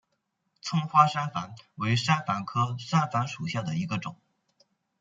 丛花山矾为山矾科山矾属下的一个种。